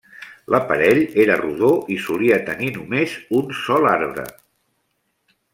L'aparell era rodó i solia tenir només un sol arbre.